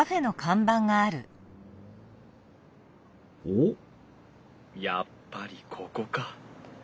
おっやっぱりここか。